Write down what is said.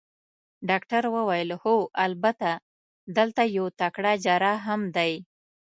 ډاکټر وویل: هو، البته دی یو تکړه جراح هم دی.